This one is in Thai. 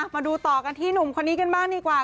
มาดูต่อกันที่หนุ่มคนนี้กันบ้างดีกว่า